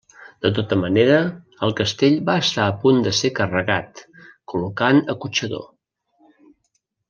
De tota manera el castell va estar a punt de ser carregat, col·locant acotxador.